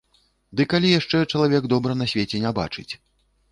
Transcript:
Ды калі яшчэ чалавек дабра на свеце не бачыць!